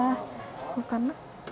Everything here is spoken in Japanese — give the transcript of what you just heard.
これかな？